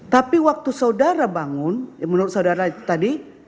tapi waktu saudara bangun menurut saudara itu tadi